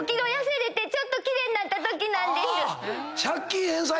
ちょっと奇麗になったときなんです。